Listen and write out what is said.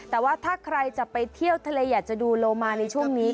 แต่ว่าถ้าใครจะไปเที่ยวทะเลอยากจะดูโลมาในช่วงนี้